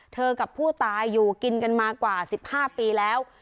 กับผู้ตายอยู่กินกันมากว่า๑๕ปีแล้ว